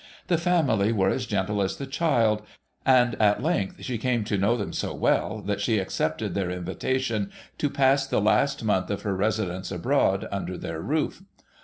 The family were as gentle as the child, and at length she came to know them so well that she accepted their invitation to pass the last month of her residence abroad under their roof.